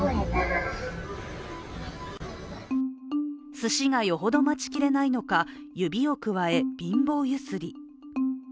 すしがよほど待ちきれないのか指をくわえ、貧乏揺すり。